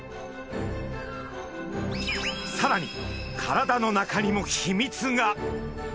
さらに体の中にも秘密が！